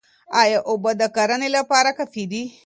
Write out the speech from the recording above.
ايا اوبه د کرني لپاره کافي دي؟